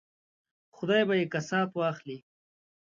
خدای به یې کسات واخلي.